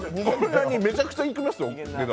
めちゃくちゃいきますよ、値段。